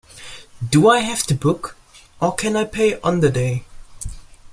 Do I have to book, or can I pay on the day?